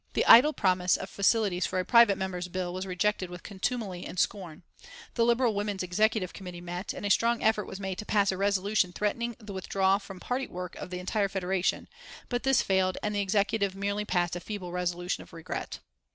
The idle promise of facilities for a private member's bill was rejected with contumely and scorn. The Liberal women's executive committee met, and a strong effort was made to pass a resolution threatening the withdrawal from party work of the entire federation, but this failed and the executive merely passed a feeble resolution of regret.